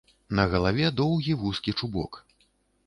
На галаве доўгі вузкі чубок.